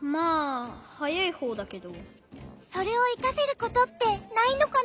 それをいかせることってないのかな？